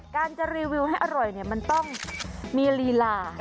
การจะรีวิวให้อร่อยมันต้องมีลีลา